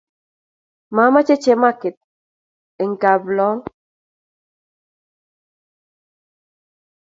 Mamache chemarket en kaplong